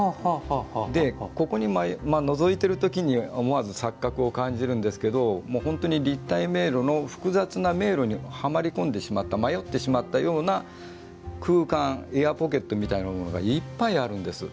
ここにのぞいている時に思わず錯覚を感じるんですけど本当に立体迷路の複雑な迷路にはまりこんでしまった迷ってしまったような空間エアポケットみたいなものがいっぱいあるんです。